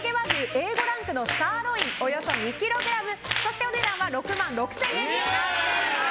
Ａ５ランクのサーロインおよそ２ｋｇお値段何と６万６０００円です。